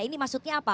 ini maksudnya apa